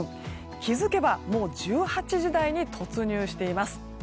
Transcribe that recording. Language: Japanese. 気づけばもう１８時台に突入しています。